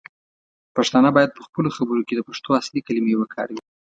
پښتانه باید پخپلو خبرو کې د پښتو اصلی کلمې وکاروي.